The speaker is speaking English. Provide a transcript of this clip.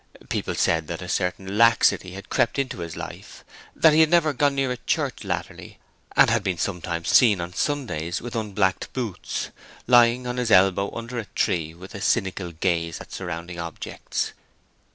People said that a certain laxity had crept into his life; that he had never gone near a church latterly, and had been sometimes seen on Sundays with unblacked boots, lying on his elbow under a tree, with a cynical gaze at surrounding objects.